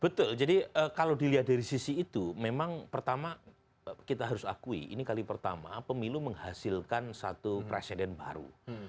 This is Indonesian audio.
betul jadi kalau dilihat dari sisi itu memang pertama kita harus akui ini kali pertama pemilu menghasilkan satu presiden baru